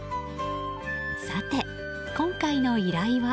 さて、今回の依頼は。